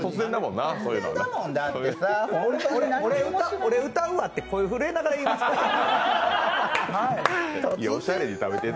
俺歌うわって声震えながら言いました。